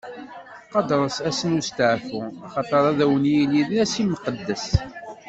Qadret ass n westeɛfu, axaṭer ad wen-yili d ass imqeddes.